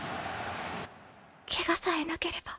ケガさえなければ。